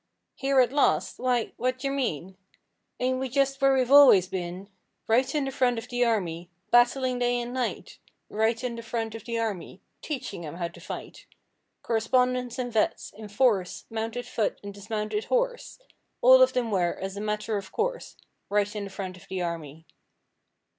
'Here at last! Why, what d'yer mean? Ain't we just where we've always been? Right in the front of the army, Battling day and night! Right in the front of the army, Teaching 'em how to fight!' Correspondents and vets. in force, Mounted foot and dismounted horse, All of them were, as a matter of course, Right in the front of the army.